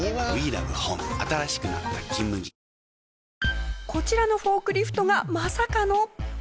ぷはーっこちらのフォークリフトがまさかの。